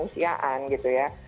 kemanusiaan gitu ya